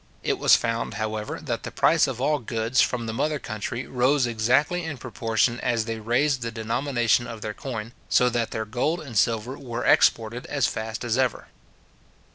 It was found, however, that the price of all goods from the mother country rose exactly in proportion as they raised the denomination of their coin, so that their gold and silver were exported as fast as ever.